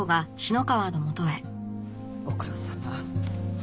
ご苦労さま。